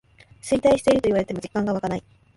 衰退してると言われても実感わかない